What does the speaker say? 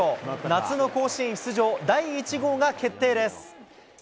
夏の甲子園出場第１号が決定です。